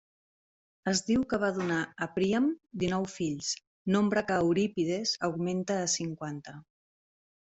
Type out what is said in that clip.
Es diu que va donar a Príam dinou fills, nombre que Eurípides augmenta a cinquanta.